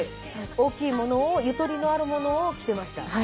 大きいものをゆとりのあるものを着てました。